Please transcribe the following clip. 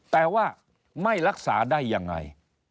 แต่ว่าไม่รักษาได้ยังไง